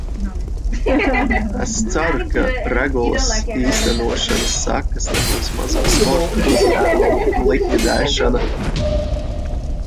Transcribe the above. Es ceru, ka regulas īstenošanas sekas nebūs mazo sporta uzņēmumu likvidēšana.